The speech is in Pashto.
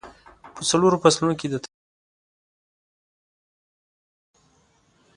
په څلورو فصلونو کې د طبیعت شین څادر پرې خور وي.